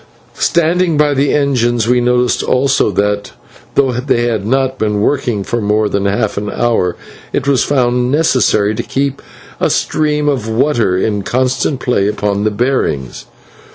Standing by the engines we noticed also that, though they had not been working for more than half an hour, it was found necessary to keep a stream of water in constant play upon the bearings.